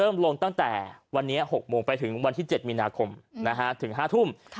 มอหลายละกินเริ่มลงตั้งแต่วันนี้